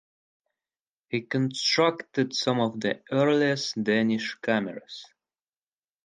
He constructed some of the earliest Danish cameras.